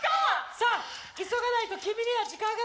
さあ急がないと君には時間がないよ。